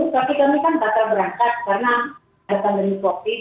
tapi kami kan bakal berangkat karena akan berikut covid